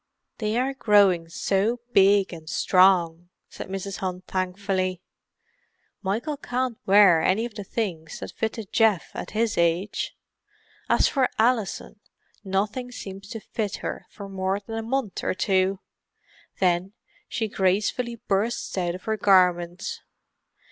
"They are growing so big and strong," said Mrs. Hunt thankfully. "Michael can't wear any of the things that fitted Geoff at his age; as for Alison, nothing seems to fit her for more than a month or two; then she gracefully bursts out of her garments!